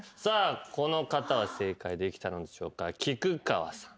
この方は正解できたのでしょうか。